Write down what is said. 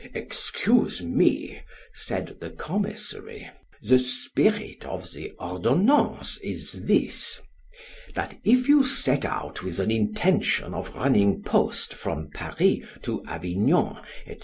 —Excuse me, said the commissary, the spirit of the ordinance is this—That if you set out with an intention of running post from Paris to Avignon, &c.